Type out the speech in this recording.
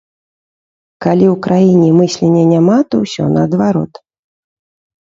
Калі ў краіне мыслення няма, то ўсё наадварот.